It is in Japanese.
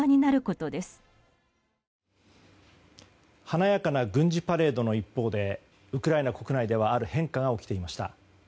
華やかな軍事パレードの一方でウクライナ国内ではある変化が起きていました。